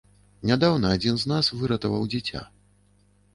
Нядаўна адзін з нас выратаваў дзіця.